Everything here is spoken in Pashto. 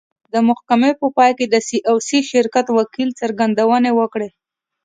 د محکمې په پای کې د سي او سي شرکت وکیل څرګندونې وکړې.